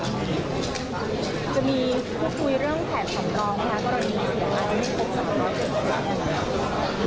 จะมีคุยเรื่องแผนสำรองครับ